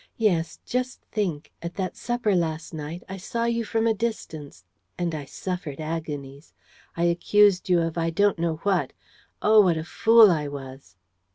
Yes, just think, at that supper last night, I saw you from a distance ... and I suffered agonies: I accused you of I don't know what. ... Oh, what a fool I was!"